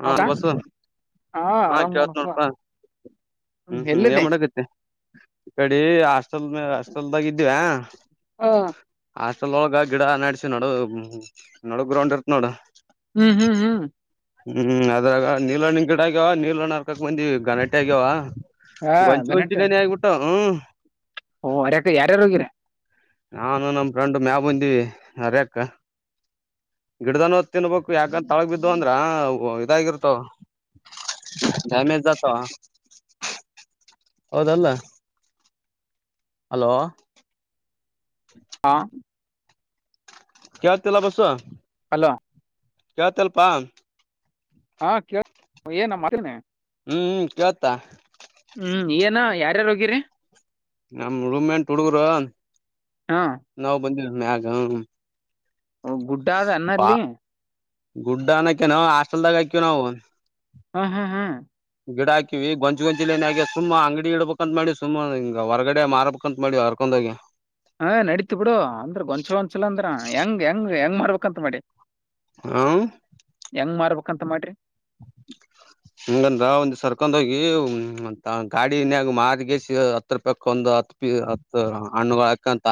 ಹಾ ನಾನ್ ಹೌದಾ ಬಸು ಹಾ ಆರಾಮ್ ನೋಡಪ್ಪ ಹೂ ಹೂ ಏ ಮಾಡಕತ್ತ ಕಡೆ ಲ್ ಮೇ ಅಷ್ಟಲ್ದಾಗ ಇದಿವ ಹ ಲ ಒಳಗ ಗಿಡ ನಾಡಸಿ ನೋಡ ನಡ ಗ್ರೌಂಡ್ ಇರ್ತ್ ನೋಡು ಹೂ ಹೂ ಹೂ ಹೂ ಹೂ ಅದ್ರಾಗ ನೀಲಣ ನಿನ್ ಗಡ ಆಗ್ಯಾವ ನೀಲಣ್ ಹರ್ಕಕ್ ಬಂದಿ ಗಲಾಟೆ ಆಗ್ಯಾವ ಹಾ ಗೊಂಚಿ ಗನಟೆ ಗೊಂಚಿನೆ ಆಗಿಬಿಟ್ಟು ಹೂ ಓ ಅರ್ಯಕ ಯಾರ್ಯಾರು ಹೋಗಿರಿ ನಾನು ನಮ ಫ್ರಂಡ್ ಮ್ಯಾಲ್ ಬಂದಿವಿ ಅರ್ಯಕ್ ಗಿಡದಾನೋ ತಿನ್ಬೇಕು ಯಾಕಂತ ತೊಳಗ ಬಿದ್ದು ಅಂದ್ರ ಇದಾಗಿರ್ತವ ಇದು ಆಗಿರ್ತವು ಡ್ಯಾಮೇಜ ಜತ ಹೌದಲ್ಲ ಅಲೋ ಹಾ ಕ ತಲ್ಲ ಬಸ್ ಹಲೋ ಯತಲ್ಪಾ ಹಾ ಕೇಳಳ್ ಏನನೆ ಹ್ಮ್ ಕತ್ತಾ ಎ ರೋಗಿ ರೀ ನಮ ರೂಮ್ ಎಂ ಹುಡುಗರ ಹಾ ನಾವ್ ಬಂದ ಮ್ಯಾಗ ಗುಡ್ಡಾದ ಅನ್ನಲ್ಲಿ ಗುಡ್ಡನಕ್ಯ ನಾವವು ಹಾಸ್ಟೆಲ್ದಾಗ ಆಕ್ಯ ನಾವು ಹಾ ಹಾ ಹಾ ಗಿಡ ಹಾಕಿವವಿ ಗಂಜ ಗಂಜ ಏ ಆಗೆ ಸುಮ್ಮ್ ಅಂಗಡಿ ಇಡಬೇಕಕ್ಂತ ಮಾಡಿ ಸುಮ್ಮ್ ಹಂಗ ಹೊಗಡೆ ಮಾರಬೇಕಕ್ಂತ ಮಾಡಿರ್ಕೊಂಡ ಹ ನಡೀತು ಬಿಡು ಅಂದ್ರ ಗೊಂಚ ಗೊಂಚಲ ಅಂದ್ರ ಹೆಂಗ್ ಹೆಂಗ್ ಹೆಂಗ್ ಮಾಡ್ಬೇಕಂತ ಮಾಡಿ ಹ್ಮ ಹೆಂಗ್ ಮಾಡ್ಬೇಕ ಅಂತ ಮಾಡ್ರಿ [unintelligible] ಹಂಗಂದ್ರ ಒಂದ್ ಸರ್ಕೊಂಡ ಹೋಗಿ ಗಾಡನ್ಯಾಗ ಮಾರಗಸ ಹತ್ರ ರೂಪಾಯಕ್ ಒಂದು ಒಂದು ಹ ಪಿ ಹತ್ತು ಹಣ್ಣುಗಳ ಹಕಂತ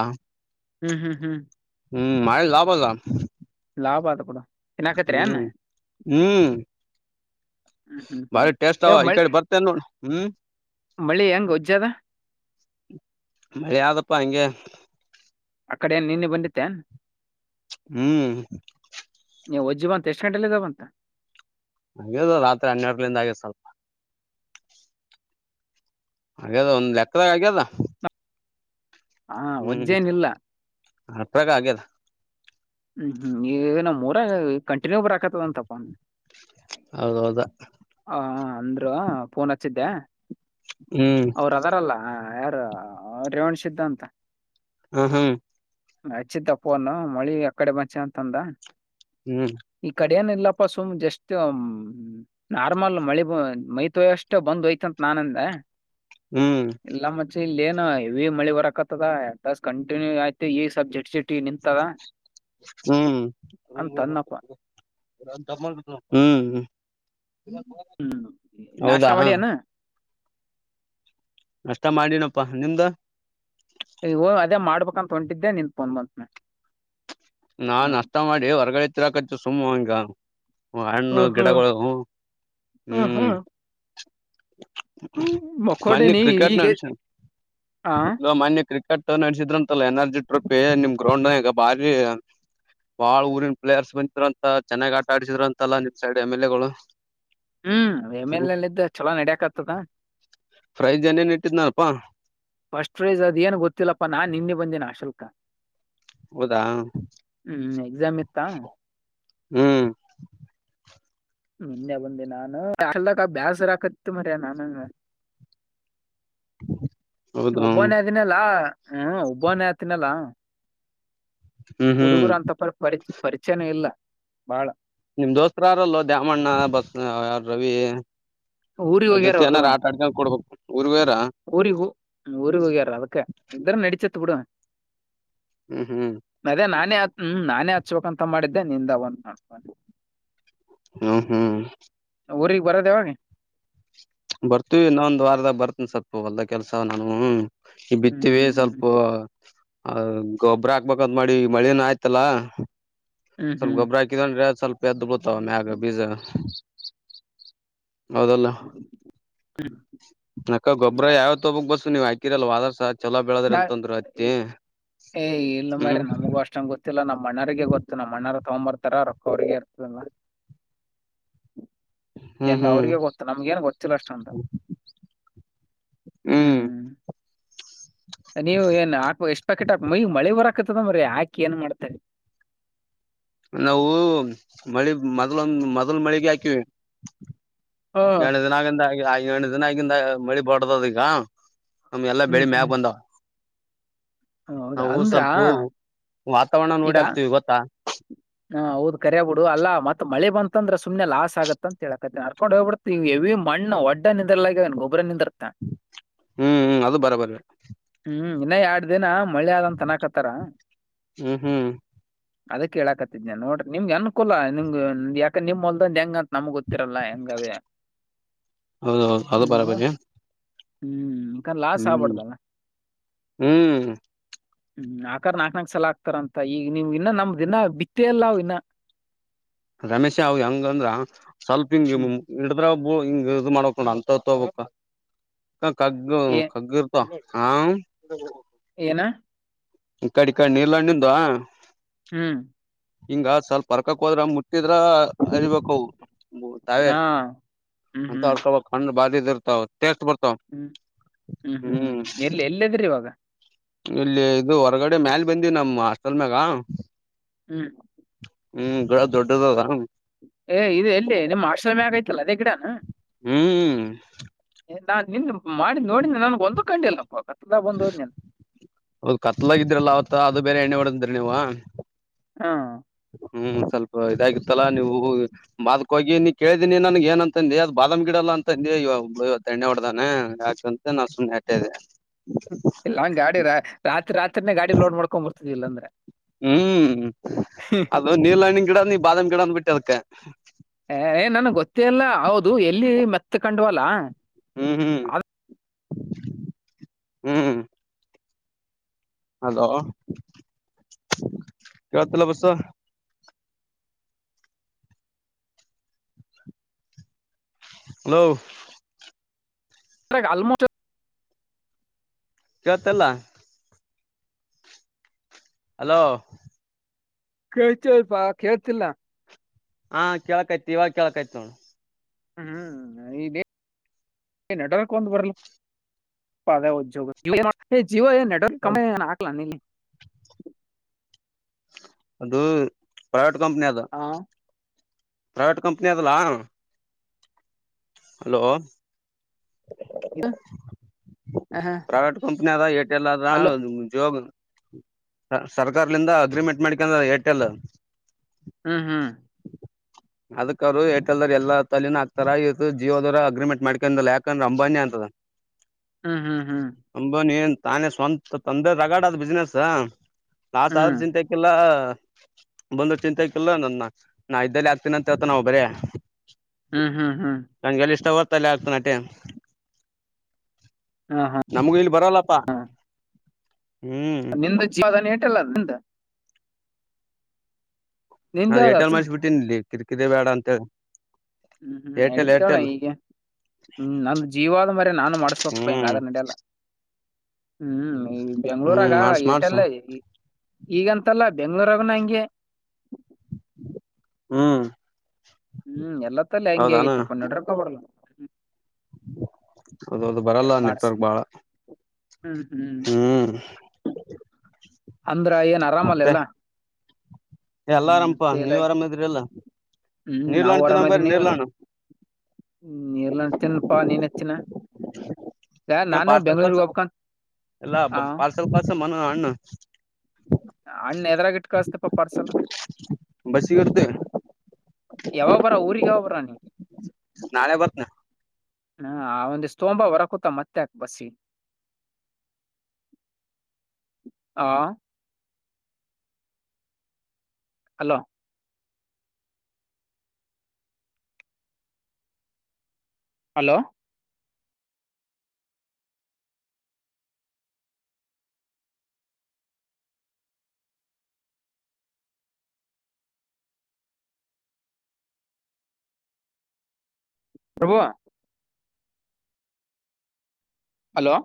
ಹ್ಮ್ ಹ್ಮ್ ಹ್ಮ್ ಹ್ಮ್ ಮ ಲಾ ಬಲ್ಲ ಲಾಭ ಅದಪೂಡ ಹ್ಮ್ ಹ್ಮ್ ಹ್ಮ್ ಹ್ಮ್ ಹ್ಮ್ ಮಾರಿ ಸ್ಟ್ ಆ ಯಾವ ಮಳಿ ಈಕ ಬರ್ತ ಹ್ಮ್ ಮಳಿ ಹೆಂಗ್ ಒಜ್ಜದ ಮಳೆ ಯಾವ್ದಪ್ಪಾ ಹಂಗೆ ಆ ಕಡೆ ನಿನ್ನೆ ಬಂದತ್ತೇ ಹ್ಮ್ ನೀವು ಒಜ್ಜ ಬಂತ ಎಷ್ಟ್ ಗಂಟೆಲ್ಲ ಇದಾವಂತ ಹಾಗದು ರಾತ್ರಿ ಹನ್ನೆರಲಿಂದ ಆಗ್ಯ ಸ್ವಲ್ಪ ಹಾಗ್ಯದ ಒಂದ್ ಲೆಕ್ಕದಾಗ ಆಗ್ಯದ ಹಾ ವಜ್ಜೇನಿಲ್ಲ ಹಟ್ಟ್ರಾಗ ಆಗ್ಯದ ಹ್ಮ್ ಹ್ಮ್ ಈ ನಮ್ ಮೂರ ಕಂಟಿನ್ಯೂ ಬರಾಕತ್ತದಂತಪ್ಪ ಹೌದೌದ ಹ ಅಂದ್ರು ಪಫೋನ್ ಹಚ್ಚಿದ್ದೆ ಹ್ಮ್ ಅವರು ಅದಾರಲ್ಲ ಯಾರು ರೇವಣ್ ಸಿದ್ಧಾಂತ ಹ್ಮ ಹ್ಮ ಹಚ್ಚಿದಿದ್ದಪ್ಪನು ಮಳಿ ಅಕಡೆ ಮಂಚೆ ಅಂತಂದ ಹ್ಮ್ ಏನ ಇಲ್ಲಪ್ಪ ಸುಮ್ನೆ ಜಸ್ಟ್ ನಾರ್ಮಲ್ ಮಳಿ ಮೈತ ಅಷ್ಟೆ ಬಂದು್ಹೋಯ್ತಂತ ನಾನಂದ ಹ್ಮ್ ಎಲ್ಲ ಮತ್ತೆ ಇಲ್ಲ ಏನು ಇ ಮಳಿ ಬರಕತದ ಎಸ್ ಕಂಟಿನ್ಯೂ ಆಯ್ತ ಈ ಸ ಜಟ್ ಜಟ್ಟಿ ನಿಂತವ ಹ್ಮ್ ಹ್ಮ್ ಹ್ಮ್ ನಾಷ್ಟ ಹೌದಾ ಮಾಡ್ಯಾನ ಅಷ್ಟ ಮಾಡನಪ್ಪಾ ನಿಮ್ದ ಅದೇ ಮಾಡ್ಬೇಕಂತ ಹೊಂಟಿದ್ದೆ ನಿನ್ಫಂದ್ ಬಂತನ ನಾನ್ ನಷ್ಟ ಮಾಡಿ ಹೊರ್ಗಡೆ ತಿರಾಕಚ್ಚ ಸುಮ್ಮ್ ಹಂಗ ಹ ಹಣ್ಣು ಹ್ಮ್ ಹ್ಮ್ ಗಿಡಗಳು ಹ್ಮ್ ಹ್ಮ್, ಮಾನ್ ಮಕ್ಕೊಂಡಿನಿ ಕ್ರಿಕೆಟ್ ನ ಈಗ ಅಷ ಆ ಇ ಮಾನ್ ಕ್ರಿಕೆಟ್ ನಡೆಸಿದ್ರಂತೆಲ್ಲ ಎನರ್ಜಿ ರುಪ್ ನಿಮ್ ಗ್ರೌಂಡ್ ಈಗ ಬಾರಿ ಬಾಳ್ ಊರಿನ ಪ್ಲೇಯರ್ಸ್ ಬಂದಿದ್ರು ಅಂತ ಚೆನ್ನಾಗ್ ಆಟ ಆಡಸಿದ್ರು ಅಂತಲ್ಲ ನಿಮ್ ಸೈಡ್ ಎಮ್ ಎಲ್ ಎ ಗಳು ಹ್ಮ್ಮೇಲೆಲ್ಲ ಇದಿದ್ದ ಚಲೋ ನಡ್ಯಾಕ್ ಆತದ ಫ್ರೈ ಜನ ಏನ್ ಇಟ್ಟಿದ್ನನಪ್ಪಾ ಫಸ್ಟ್ ಪ್ರೈಜ್ ಅದ ಏನ್ ಗೊತ್ತಿಲ್ಲಪ್ಪಾ ನಾ ನಿನ್ನೆ ಬಂದೇನ ಆಶುಲ್ಕಾ ಹೌದಾ ಹ್ಮ್ ಎಕ್ಸಾಮ್ ಇತ್ತಾ ಹ್ಮ್ ನಿನ್ನೆ ಬಂದೆ ನಾನುಲ್ಲಕ್ಕ ಬೇಸರಾಕತ್ ಮರ ನಾನು [inaudible] ಹೌದು ಒಬ್ಬನೇ ಹ್ಮ್ ಆದದಿನಲ್ಲಾ ಹ್ಮ್ ಒಬ್ಬನ ಆತಿನಲ್ಲಾ ಹ್ಮ್ ಹುಡುಗರ ಅಂತ ಪರ ಪರಿ ಪರಿಚಯನ ಇಲ್ಲ ಬಾಳ ನಿಮ್ ದೋಸ್ತ್ರ ಯಾರಲ್ಲೋ ದ್ಯಾಮಣ್ಣ ಬಸ್ ಯ ರವಿ ಊರಿಗೆ ಅವ್ರ ಹೋಗ್ಯಾರ ಜೊತೆ ಅವರು ಏನಾರ ಆಟ ಆಡ್ಕೊಂಡ್ ಕೊಡ್ಬೇಕು ಊರ್ವೇರ ಉರಿ ಹ್ಮ ಉರಿ ಹೋಗಾರ ಅದಕ್ಕ ಇದರ ನಡಚತ್ ಬಿಡು ಹ್ಮ್ ಹ್ಮ್ ಅದ ನಾನ ಆ ಹ್ಮ್ ನಾನೇ ಹಚ್ಬೇಕಂತ ಮಾಡಿದ್ದೆ ನಿಂದ ಒ ಹ್ಮ ಹ್ಮ್ ಊರಿಗೆ ಬರೋದ ಯಾವಾಗೆ ಬರ್ತೀವಿ ನೊ ಒಂದ್ ವಾರದಾಗ ಬರ್ತನಿ ಸ್ವಲ್ಪ ಹೊಲ್ದ ಕೆಲ್ಸ ನಾನು ಈ ಬಿತ್ತವಿ ಹ್ಮ್ ಸ್ವಲ್ಪ ಹ ಗೊಬ್ಬ್ರ ಹಾಕ್ಬೇಕಂತ ಮಾಡಿ ಮಳೇನ ಆಯ್ತಲ್ಲ ಹ್ಮ್ ಸ್ವಲ್ಪ ಹ್ಮ್ ಗೊಬ್ಬರ ಹಾಕಿದಂದ್ರೆ ಸ್ವಲ್ಪ ಎದ್ದ್ ಬತವ ಮ್ಯಾಗ ಬೀಜ ಹೌದಲ್ಲ ಹ್ಮ ಅಕ್ಕ ಗೊಬ್ಬ್ರ ಯಾವತ್ ಒಬಕ್ ಬಸ್ಸು ನೀವ್ ಹಾಕಿರಲ್ವಾ ವಾದಾರ್ಸಹ ಚಲೋ ಬೆಳದಿರ ನಾ ಅಂತಂದ್ರ ಏ ಅತ್ತಿ ಏ ಇಲ್ಲ ಮ್ರೆ ನಮಗೂ ಅಷ್ಟಂಗ ಗೊತ್ತಿಲ್ಲ ನಮ್ ಅಣ್ಣಗ ಗೊತ್ತು ನಮ್ಮ್ ಅಣ್ಣ ತೊಂಬರ್ ತರ ರೊಕ್ಕವರಿಗೆ ಇರ್ತದಲ್ಲ ಹ್ಮ್ ಎಲ್ಲ ಹ್ಮ್ ಅವ್ರಗ ಗೊತ್ತು ನಮ್ಗ ಏನ್ ಗೊತ್ತಿಲ್ಲ ಅಷ್ಟಂತ ಹ್ಮ್ ನೀವ ಏನ್ ಹಾಕ್ ಎಷ್ಟ್ ಪಾಕೆಟ್ ಹಾಕ್ ಮೈಗ್ ಮಳೆ ಬರಾಕತದ ಮ್ರರಿ ಆಾಕಿ ಏನ್ ಮಾಡ್ತಿ ನಾವು ಮಳಿ ಮೊದ್ಲ ಮೊದ್ಲ ಮಳಿಗೆ ಹಾಕಿವವಿ ಹ್ಮ್ ಎಂದು ದಿನ ಆಗಿಂದ ಎಂಟು ದಿನ ಆಗಿಂದ ಮಳಿ ಬಾರ್ದದ ಈಗ ನಮ್ಗೆ ಎಲ್ಲಾ ಹ್ಮ್ ಬೆಳಿ ಮ್ಯಾಗ ಹ್ಮ್ ಬಂದವ ಹೌದಾ ನಾವು ಅಂದ್ರ ಸ್ವಲ್ಪ ವಾತಾವರಣ ಓಡ ಈಗ ಆಕ್ತಿವಿ ಗೊತ್ತಾ ಹಾ ಹೌದು ಕರಯಬ ಬಿಡು ಅಲ್ಲ ಮತ್ ಮಳೆ ಬಂತಂದ್ರೆ ಸುನೆ ಲಾಸ್ ಆಗತ್ತ ಅಂತ ಹೇಳಕತ್ತಿ ಅರ್ಕೊಂಡ್ ಹೋಗಬಿ ಮಣ್ಣ ಒಡ್ಡ ನಿದ್ರಲಲ್ಲಗನ್ ಗೊಬ್ಬರನ್ರ ಹ್ಮ್ ಹ್ಮ್ ಅದು ಬರ ಬರ್ರ ಹ್ಮ್ ಇನ್ನ ಎರಡ್ ದಿನ ಮಳ್ಳೆ ಆದಂತ ತನಕತ್ತಾರ ಹ್ಮ್ ಹ್ಮ್ ಅದ ಕೇಳಕತ್ತಿದ್ ನೋಡ್ರಿ ನಿಮ್ಗೆ ಅನ್ಕೂಲ ನಿಮ ಯಾಕ ನಿಮ್ಲ್ದ ಹೆಂಗ ನಮ್ ಗೊತ್ತಿರಲ್ಲ ಹೆಂಗವೇ ಹೌದೌದು ಅದು ಹ್ಮ್ ಬರಬರಿ ಹ್ಮ್ಕ ಲಾಸ್ ಹ್ಮ್ ಆಗ್ಬಾರ್ದಲ್ಲ ಹ್ಮ್ ಹ್ಮ್ ಆಕಾರ್ ನಾಕಕ್ ನಾಕಕ್ ಸಲ ಆಗ್ತಾರಂತ ಈಗ ನೀವು ಇನ್ನ ನಮ ಇನ್ನ ಬಿತ್ತಲ್ಲ ಇನ್ನ ರಮೇಶ್ ಅವ್ ಹೆಂಗಂದ್ರ ಸ್ವಲ್ಪಿಂಗ ಹ್ಮ್ ಇಡ ಅ್ರ ಒಬ್ಬ ಹಿಂಗ ಇ ಮಾಡ್ಕೊಂಡ್ ಅಂತತಬಕ್ ಕಗ್ಗ ಏ ಕಗ್ಗ ಇರ್ತ ಹಾ ನಾ ಕಡೆ ಕಡೆ ನೀಲ್ಲಣ್ಣ ನಿಂದುವ ಹ್ಮ್ ಹಿಂಗ ಸೋಲ್ಪರ್ಕಕ್ ಹೋದ್ರ ಮು ಹಿದ್ರ ಅರಿಬೇಕ ತಾವೇ ಹಾ ಹ್ಮ್ ಅಂತ ಹ್ಮ್ ಹೊರ್ಕೊಬ ಹಣ ಬಾರಿ ರ್ತ ಟೆಸ್ಟ್ ಬರ್ ಹ್ಮ್ ಹ್ಮ್ ಹ್ಮ್ ಎಲ್ಲಿ ಎಲ್ಲದ್ರಿ ಇವಾಗ ಇಲ್ಲಿ ಇದು ಹೊರಗಡೆ ಮ್ಯಾಲ ಬಂದಿವ ನಮ ಹಾಸ್ಟೆಲ್ ಮ್ಯಾಗ ಹ್ಮ್ ಹ್ಮ್ ಗ ದೊಡ್ಡದದ ಏ ಇದು ಎಲ್ಲಿ ನಿಮ್ಮ್ ಆಶ್ರಮಿ ಆಗೈತಿಲ್ಲ ಅದೇ ಗಿಡಾನ ಹ್ಮ್ ನಾನ್ ನಿನ್ ಮಾಡಿ ನೋಡ ನನ್ಗೆ ಒಂದು ಕಂಡ ಇಲ್ಲಪ್ಪಾಗ ಹೌದು ಕತ್ಲಾಗಿದ್ರಲ್ಲ ಅವತ್ತ ಅದು ಬೇರೆ ಎಣ್ಣೆ ಹೊಡಂತ್ರಿ ನೀವ ಹಾ ಹ್ಮ್ ಸ್ವಲ್ಪ ಇದಾಗಿತ್ತಲ್ಲಾ ನೀವು ಬದಕ್ ಹೋಗಿ ನೀ ಕೇಳ್ದನಿ ನನ್ಗೆ ಏನಂತಂದ್ ಬ ಆಲಮ್ ಗಿಡ ಎಲ್ಲ ಅಂತಂದ ಇವವ ಎಣ್ಣೆ ಹೊಡ್ದಾನೆ ಯಾಕಂತ ನಾ ಸುಮ್ನೆ ಅಟ್ಟ ಇಲ್ಲಾಂಗ ಗಾಡಿ ರಾತ್ರಿ ರಾತ್ರಿನೇ ಗಾಡಿ ಲೋಡ್ ಮಾಡ್ಕೊಂಡ್ ಬರ್ತದಿಲ್ಲಾಂದ್ರೆ ಹ್ಮ್ ಅದು ನೀರ್ ಹಣ್ಣಿನ್ ಗಿಡ ನೀ ಬಾದಾಮ ಗಿಡ ಅಂದ ಬಿಟ್ಟೆ ಅದಕ್ಕೆ ಹ ಏ ನನ್ಗ್ ಗೊತ್ತೇಲ್ಲ ಹೌದು ಎಲ್ಲಿ ಮತ್ತ ಕಂಡ್ವಲ್ಲ ಹ್ಮ್ ಹ್ಮ್ ಹ್ಮ್ ಹಲೋ ಕವತಲ್ಲ ಬಸ ಹಲೋ ಗಾಲಮಚ ಕ ತಲ್ಲ ಹಲೋ ಕೇಳ್ತಯಪಾ ಕೇಳ್ತಿಲ್ಲ ಹಾ ಕೇಳಕ್ಯ್ತಿು ಇವಾಗ ಕೇಳಕ್ಯ್ತ ನೋಡು ಹ್ಮ್ ಹ್ಮ್ ನಟರಕ್ ಒಂದು ಬರಲ್ಲ ಪಾಗ ಉದ್ಯೋಗ ಜೀವೋ ಏನ್ ನಡರ್ ಕಮ್ಮಿ ಏ ಹಾಕ್ಲಾ ಇಲ್ಲಿ ಅದು ಪ್ರೈವೇಟ್ ಕಂಪನಿ ಅದು ಆ ಪ್ರೈವೇಟ್ ಕಂಪನಿ ಅದಲಾ ಹಲೋ ಇ ಹ ಹ ಏಟ ಎಲ್ಲ ಮುಂಗ ಸರ್ಕಾರಲಿಂದ ಅಗ್ರಿಮೆಂಟ್ ಮಾಡಿಕಂದ ಏರ್ಟೆಲ್ ಹ್ಮ ಹ್ಮ್ [unintelligible] ಅದಕ್ಕ ಅವರು ಏಟಲ್ದರ್ ಎಲ್ಲ ತಲನ ಹಾತಾರ ಇವತ್ತು ಜೀವೋದವರು ಅಗ್ರಿಮೆಂಟ್ ಮಾಡ್ಕೊಂಡ ಯಾಕಂದ್ರ ಅಂಬಾನಿ ಅಂತದ ಹ್ಮ್ ಹ್ಮ್ ಹ್ಮ್ ಅಂಬಾನಿ ತಾನೇ ಸ್ವಂತ ತಂದೆ ತಗಾಡ ಅದ್ ಬಿಸ್ನೆಸ್ ನಾಾಸ ಆದ್ರ ಚಿಂತೆಕಲ್ಲ ಬಂದ ಚಿಂತೆ ಇಕ್ಕಲ್ಲ ನಾ ಇದ್ದಲ್ಲಿ ಆಗ್ತೀನ ಅಂತ ಹೇಳ್ತ ನಾವು ಬರೇ ಹ್ಮ್ ಹ್ಮ್ ಹ್ಮ್ ತ್ತಲ್ಲ ಆಗ್ತನಟೆ ಹಾ ಹಾ ನಮಗ ಇಲ್ಲಿ ಬರಲ್ಲಪ್ಪಾ ಹ್ಮ್ ನಿಂದ ಜೀವಧಾನ ಹಟಲ್ಲ ನಿಂದ ನಿಂದ ನಾ ಯಾವ್ದ ಏಟಿ ಎಲ್ ಆತು? ಮಾಡಸಬ ಬಿಟ್ಟನಿಲ್ಲಿ ಕಿ ಕಿರಿ ಬೇಡ ಅಂತ ಹೇಳ ಹ್ಮ್ ಹ್ಮ್ ಎಡ್ತೋಳ ಐಗ ಹ್ಮ್ ನಂದು ಜೀವ ಆದ ಮರ ನಾನು ಮಾಡ್ಸ್ಬೇಕಕ್ ಪ ಹಿಂಗ ಹ್ಮ್ ಅದ್ರ ನಡಿಯಲ್ಲ ಹ್ಮ್ ಹ್ಮ್ ಬೆಂಗ್ಳೂರಾಗ ಮಾಡ್ಸ ಮಾಡ್ಸ ಏಟಲ್ಲ ಈಗಂತಲ್ಲ ಬೆಂಗ್ಳೂರಾಗ ನಂಗೆ ಹ್ಮ್ ಹ್ಮ್ ಎಲ್ಲತ್ತಲ್ಲ ಹೆಂಗಗೆ ಹೌದಾನ ಆಗತಿ ಪ ನಡ್ರ ಬ ಅದು ಅದು ಅದೇ ಬರಲ್ಲ ಮಾಡ್ಸ ನೆಟ್ವರ್ಕ್ ಬಾಳ ಹ್ಮ್ ಅಂದ್ರ ಏನ್ ಮತ್ತೆ ಆರಾಮಲ್ಲಲ್ಲ ಎಲ್ಲ ಹ್ಮ್ ಆರಾಮಪ ತೇಲ ನೀವ್ ಆರಾಮದ್ರಿಲ್ಲ ಹ್ಮ್ ನಾವವು ನೀರ್ಲಾಣ್ ಓಡಾಮ ತಿನ್ನಂಬರಿ ಇದೀನಿ ನೀರ್ಲಾಣ್ ಹ್ಮ್ ಎಲ್ಲ ತಿನ್ಪಾ ನೀನ ಹ ಯ ಪಾರ್ಸಲ್ ಕಸ ಬೆಂಗ್ಳೂರ್ಗ್ ಹೋಗ್ಬೇಕಂತ ಎಲ್ಲಾ ಆ ಪಾರ್ಸಲ್ ಕಸ ಮನ ಅಣ್ಣ ಹಣ್ಣ ಎದರಾಗಿ ಇಟ್ ಕಳಸ್ತಪ ಪರ್ಸಲ್ ಬಸ್ಸಿಗೆ ಇರ್ತಿ ಯ ಬರ ಊರಿರಿಗೆ ಯ ಬರಾನೀ ನಾಳೆ ಬರ್ತ ಹಾ ಒಂದ ಸ್ತೋಭ ಹೊರಕೂತ ಮತ್ತೆ ಅಕ್ ಬಸಿ ಆ ಹಲೋ ಹಲೋ ಪ್ರಬ ಹಲೋ